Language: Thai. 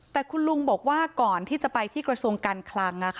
แต่คุณลุงบอกว่าก่อนที่จะไปที่กระทรวงการคลัง